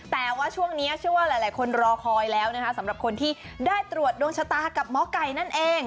แต่ว่าช่วงนี้เชื่อว่าหลายคนรอคอยแล้วนะคะสำหรับคนที่ได้ตรวจดวงชะตากับหมอไก่นั่นเอง